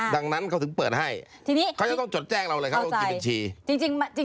ดังนั้นเขาถึงเปิดให้เขาจะต้องจดแจ้งเราเลยเขาต้องกินบัญชี